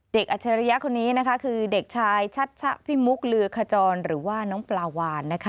อัจฉริยะคนนี้นะคะคือเด็กชายชัชชะพิมุกลือขจรหรือว่าน้องปลาวานนะคะ